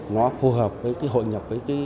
nó phù hợp với hội nhập với